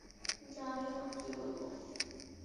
জানি না, কী বলবো।